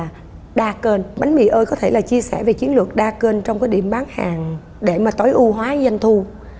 là đa kênh bánh mì ơi có thể là chia sẻ về chiến lược đa kênh trong cái điểm bán hàng để mà tối ưu hóa doanh thu